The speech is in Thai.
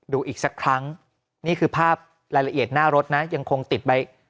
ดูอีกสักครั้งนี่คือภาพรายละเอียดหน้ารถนะยังคงติดใบ